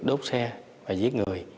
đốt xe và giết người